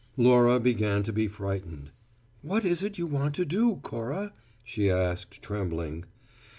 Laura began to be frightened. "What is it you want to do, Cora?" she asked, trembling.